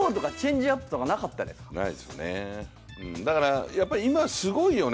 だから、今すごいよね。